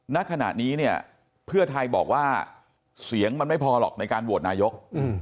ณขณะนี้เนี่ยเพื่อไทยบอกว่าเสียงมันไม่พอหรอกในการโหวตนายก